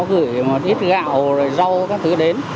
gửi một ít gạo rồi rau các thứ đến